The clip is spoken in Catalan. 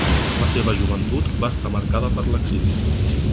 La seva joventut va estar marcada per l’exili.